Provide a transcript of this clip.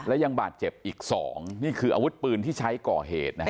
และยังบาดเจ็บอีก๒นี่คืออาวุธปืนที่ใช้ก่อเหตุนะฮะ